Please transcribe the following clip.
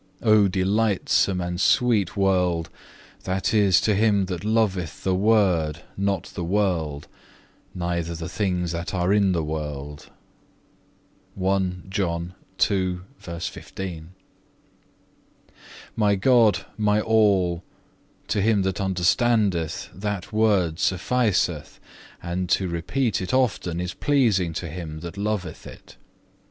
O delightsome and sweet world! that is, to him that loveth the Word, not the world, neither the things that are in the world.(1) My God, my all! To him that understandeth, that word sufficeth, and to repeat it often is pleasing to him that loveth it.